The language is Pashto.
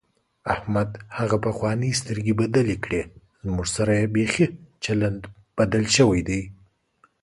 احمد هغه پخوانۍ سترګې بدلې کړې، زموږ سره یې بیخي چلند بدل شوی دی.